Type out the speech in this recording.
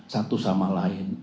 satu sama lain